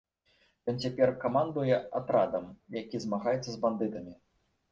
Ён цяпер камандуе атрадам, які змагаецца з бандытамі.